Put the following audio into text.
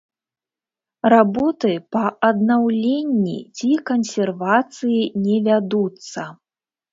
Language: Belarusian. Работы па аднаўленні ці кансервацыі не вядуцца.